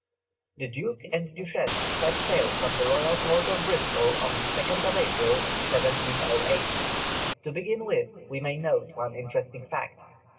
The Duke and Duchess set sail from the Royal Port of Bristol on the 2nd April, 1708. To begin with, we may note one interesting fact.